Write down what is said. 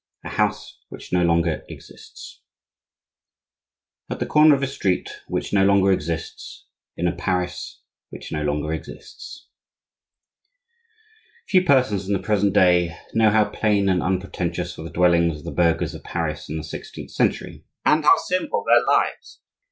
A HOUSE WHICH NO LONGER EXISTS AT THE CORNER OF A STREET WHICH NO LONGER EXISTS IN A PARIS WHICH NO LONGER EXISTS Few persons in the present day know how plain and unpretentious were the dwellings of the burghers of Paris in the sixteenth century, and how simple their lives.